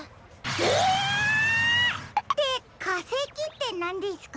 ええっ！ってかせきってなんですか？